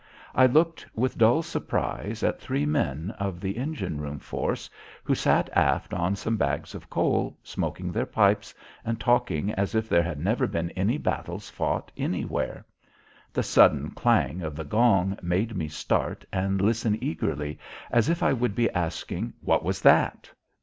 I looked with dull surprise at three men of the engine room force, who sat aft on some bags of coal smoking their pipes and talking as if there had never been any battles fought anywhere. The sudden clang of the gong made me start and listen eagerly, as if I would be asking: "What was that?"